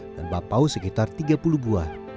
dan bapau sekitar tiga puluh buah